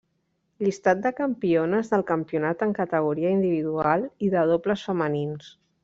Llistat de campiones del campionat en categoria individual i de dobles femenins.